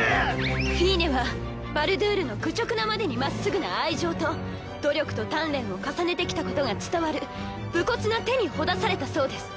フィーネはバルドゥールの愚直なまでにまっすぐな愛情と努力と鍛錬を重ねてきたことが伝わる武骨な手にほだされたそうです。